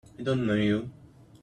I don't know you!